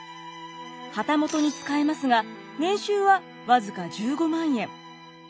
旗本に仕えますが年収は僅か１５万円。